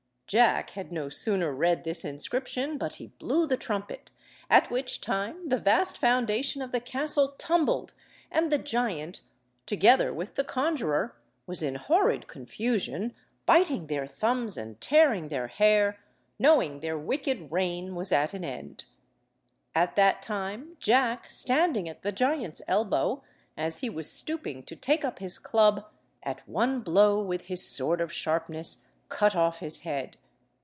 Jack had no sooner read this inscription but he blew the trumpet, at which time the vast foundation of the castle tumbled, and the giant, together with the conjuror, was in horrid confusion, biting their thumbs and tearing their hair, knowing their wicked reign was at an end. At that time Jack, standing at the giant's elbow, as he was stooping to take up his club, at one blow, with his sword of sharpness, cut off his head.